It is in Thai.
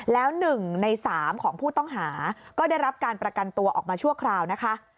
แล้ว๑ใน๓ของผู้ต้องหาก็ได้รับการประกันตัวออกมาชั่วคราวนะคะ